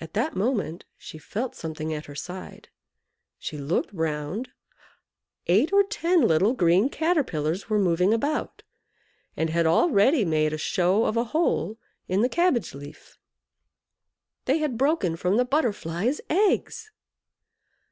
At that moment she felt something at her side. She looked round eight or ten little green Caterpillars were moving about, and had already made a show of a hole in the cabbage leaf. They had broken from the Butterfly's eggs!